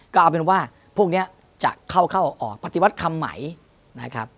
ก็เอาเป็นว่าพวกนี้จะเข้าออกปฏิวัติคำไหมนะครับ